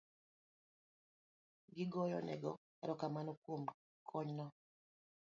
kigoyonego erokamano kuom konyno.